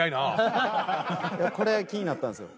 これ気になったんですよ。